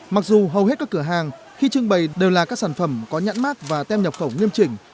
mặc dù hầu hết các cửa hàng khi trưng bày đều là các sản phẩm có nhãn mát và tem nhập khẩu nghiêm chỉnh